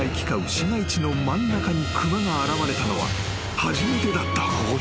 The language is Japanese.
市街地の真ん中に熊が現れたのは初めてだった］